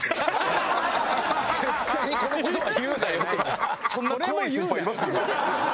「絶対にこの事は言うなよ」っていう。